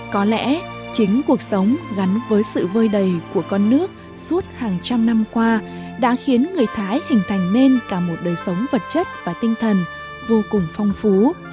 có lẽ chính cuộc sống gắn với sự vơi đầy của con nước suốt hàng trăm năm qua đã khiến người thái hình thành nên cả một đời sống vật chất và tinh thần vô cùng phong phú